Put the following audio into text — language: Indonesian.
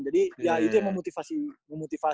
jadi ya itu yang memotivasi